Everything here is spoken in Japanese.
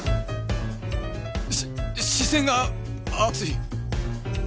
し視線が熱い